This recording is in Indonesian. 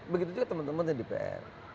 begitu juga teman teman di pn